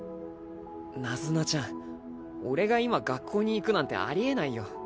ナズナちゃん俺が今学校に行くなんてあり得ないよ。